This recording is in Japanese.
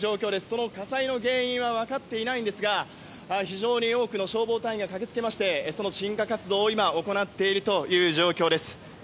その火災の原因は分かっていないんですが非常に多くの消防隊員が駆け付けましてその鎮火活動を今、行っているという状況です。